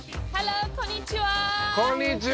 こんにちは！